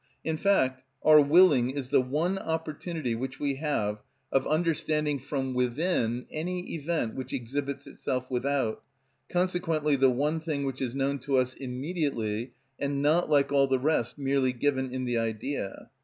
In fact, our willing is the one opportunity which we have of understanding from within any event which exhibits itself without, consequently the one thing which is known to us immediately, and not, like all the rest, merely given in the idea.